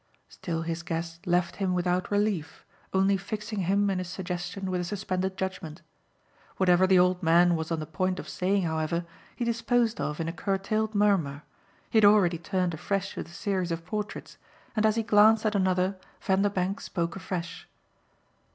Still his guest left him without relief, only fixing him and his suggestion with a suspended judgement. Whatever the old man was on the point of saying, however, he disposed of in a curtailed murmur; he had already turned afresh to the series of portraits, and as he glanced at another Vanderbank spoke afresh.